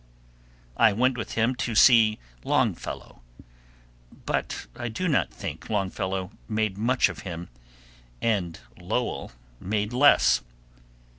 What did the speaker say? I went with him to see Longfellow, but I do not think Longfellow made much of him, and Lowell made less.